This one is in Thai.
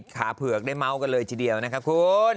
ขาเผือกได้เมาส์กันเลยทีเดียวนะครับคุณ